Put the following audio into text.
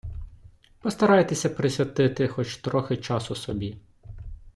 Постарайтеся присвятити хоч трохи часу собі.